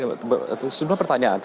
itu semua pertanyaan